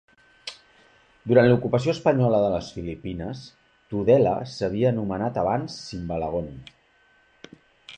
Durant l'ocupació espanyola de les Filipines, Tudela s'havia anomenat abans Simbalagon.